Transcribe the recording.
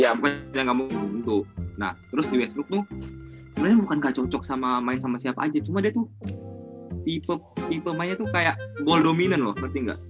ya belum tentu ya bukan nggak mungkin tuh nah terus di westbrook tuh sebenarnya bukan nggak cocok sama main sama siapa aja cuma dia tuh tipe tipe mainnya tuh kayak goal dominant loh ketika itu dia juga pake